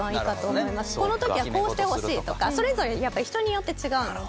「この時はこうしてほしい」とかそれぞれやっぱ人によって違うので。